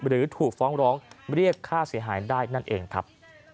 หรือถูกฟ้องร้องเรียกค่าเสียหายได้นั่นเองครับ